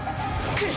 来る！